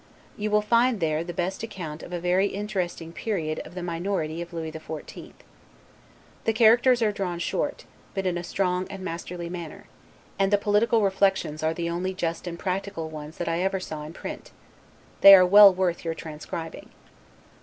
You will there find the best account of a very interesting period of the minority of Lewis XIV. The characters are drawn short, but in a strong and masterly manner; and the political reflections are the only just and practical ones that I ever saw in print: they are well worth your transcribing.